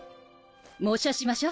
模写しましょ。